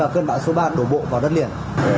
cơn bão số ba đổ bộ vào đất liền